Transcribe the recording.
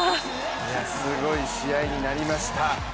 すごい試合になりました。